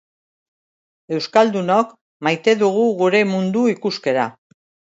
Euskaldunok maite dugu gure mundu ikuskera.